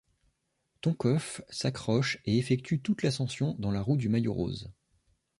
Tonkov s'accroche et effectue toute l'ascension dans la roue du Maillot Rose.